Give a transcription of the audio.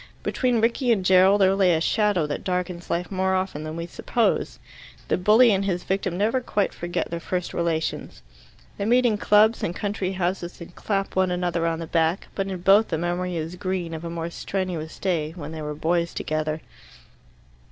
Between Rickie and Gerald there lay a shadow that darkens life more often than we suppose. The bully and his victim never quite forget their first relations. They meet in clubs and country houses, and clap one another on the back; but in both the memory is green of a more strenuous day, when they were boys together.